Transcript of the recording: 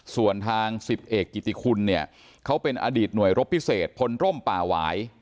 ส่วนทาง๑๐เอกกิติคุณเนี่ยเขาเป็นอดีตหน่วยรบพิเศษพลร่มป่าหวาย